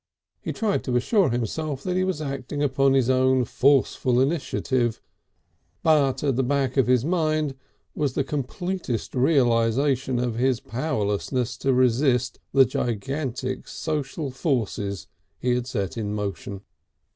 He tried to assure himself that he was acting upon his own forceful initiative, but at the back of his mind was the completest realisation of his powerlessness to resist the gigantic social forces he had set in motion.